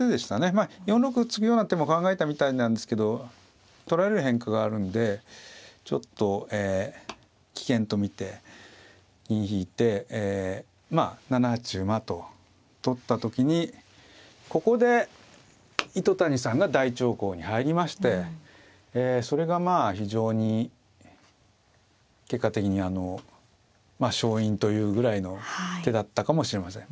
まあ４六歩突くような手も考えたみたいなんですけど取られる変化があるんでちょっと危険と見て銀引いてまあ７八馬と取った時にここで糸谷さんが大長考に入りましてそれがまあ非常に結果的に勝因というぐらいの手だったかもしれません。